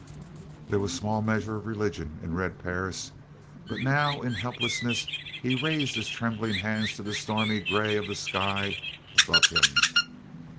There was small measure of religion in Red Perris but now, in helplessness, he raised his trembling hands to the stormy grey of the sky above him.